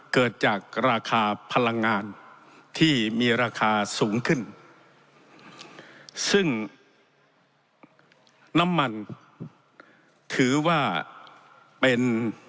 เกิดจากราคาพลังงานที่มีราคาสูงขึ้นซึ่งน้ำมันถือว่าเป็น